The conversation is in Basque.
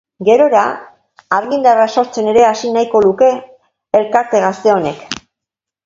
Gerora, argindarra sortzen ere hasi nahiko luke elkarte gazte honek.